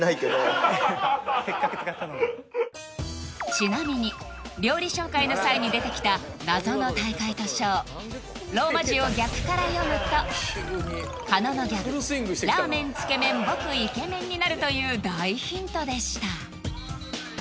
ちなみに料理紹介の際に出てきた謎の大会と賞ローマ字を逆から読むと狩野のギャグになるという大ヒントでした